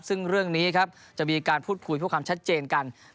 ซึ่งเรื่องนี้ครับจะมีการพูดคุยเพื่อความชัดเจนกัน